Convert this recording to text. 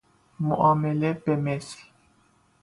معامله به مثل